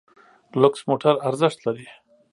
لوکس موټر ارزښت لري.